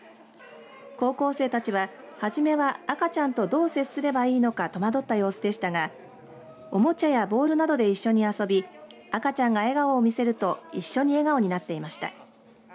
高校生たちは初めは赤ちゃんとどう接すればいいのか戸惑った様子でしたがおもちゃやボールなどで一緒に遊び赤ちゃんが笑顔を見せると一緒に笑顔になっていました。